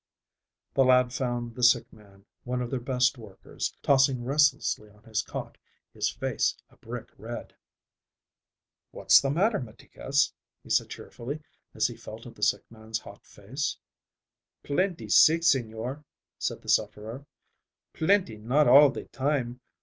The lad found the sick man, one of their best workers, tossing restlessly on his cot, his face a brick red. "What's the matter, Meticas?" he said cheerfully as he felt of the sick man's hot face. "Plenty sick, señor," said the sufferer. "Plenty not all the time.